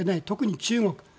特に中国。